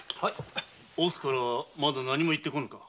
奥からはまだ何も言ってこぬか？